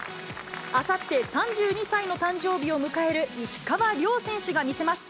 あさって、３２歳の誕生日を迎える石川遼選手が見せます。